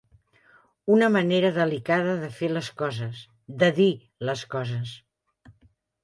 Una manera delicada de fer les coses, de dir les coses.